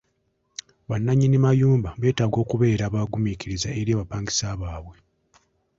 Bannannyini mayumba betaaga okubeera abagumiikiriza eri abapangisa baabwe.